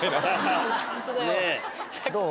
どう？